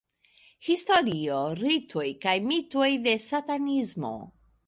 Historio, ritoj kaj mitoj de satanismo.